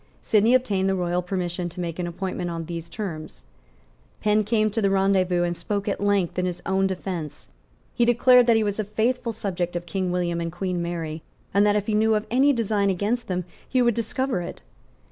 Sidney obtained the royal permission to make an appointment on these terms. Penn came to the rendezvous, and spoke at length in his own defence. He declared that he was a faithful subject of King William and Queen Mary, and that, if he knew of any design against them, he would discover it.